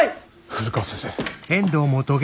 古川先生。